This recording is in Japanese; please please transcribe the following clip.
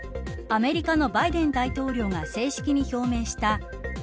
アメリカのバイデン大統領が正式に表明したＩＰＥＦ